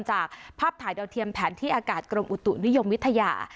จากภาพถ่ายดาวเทียมแผนที่อากาศกรมอุตุนิยมวิทยา